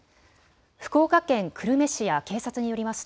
福岡県久留米市や警察によります